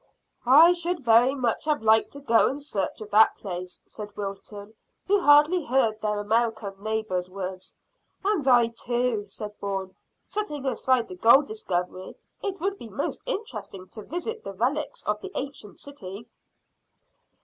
"I should very much have liked to go in search of that place," said Wilton, who hardly heard their American neighbour's words. "And I too," said Bourne. "Setting aside the gold discovery, it would be most interesting to visit the relics of the ancient city."